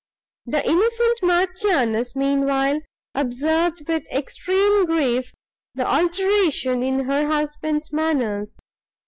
The innocent Marchioness, meanwhile, observed, with extreme grief, the alteration in her husband's manners.